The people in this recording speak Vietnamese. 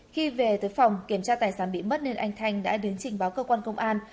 khi về tới phòng kiểm tra tài sản bị mất nên anh thanh đã đến trình báo cơ quan công an